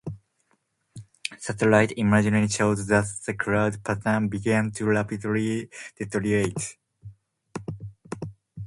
Satellite imagery showed that the cloud pattern began to rapidly deteriorate.